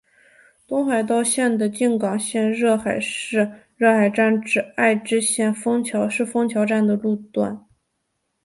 东海道线的静冈县热海市热海站至爱知县丰桥市丰桥站的路段。